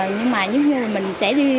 nhưng mà như như mình sẽ đi